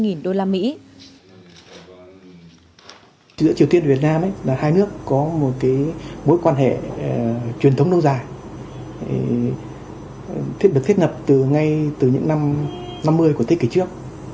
giữa triều tiên và việt nam hai nước có một mối quan hệ truyền thống lâu dài được thiết ngập ngay từ những năm năm mươi của thế kỷ trước